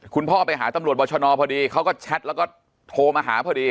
คุณพ่อไปหาตำรวจบรชนพอดีเขาก็แชทแล้วก็โทรมาหาพอดี